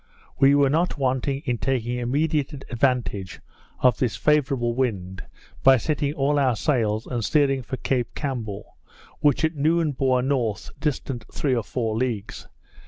We were not wanting in taking immediate advantage of this favourable wind, by setting all our sails, and steering for Cape Campbell, which at noon bore north, distant three or four leagues.